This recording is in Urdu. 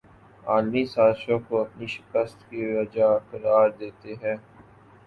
عالمی سازشوں کو اپنی شکست کی وجہ قرار دیتے ہیں